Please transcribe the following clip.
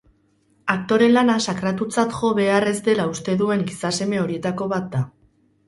Aktore lana sakratutzat jo behar ez dela uste duen gizaseme horietako bat da.